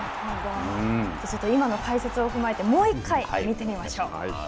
そうすると、今の解説を踏まえて、もう一回、見てみましょう。